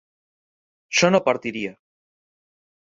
yo no partiría